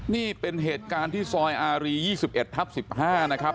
นี่เป็นเหตุการณ์ที่ซอยอารี๒๑ทับ๑๕นะครับ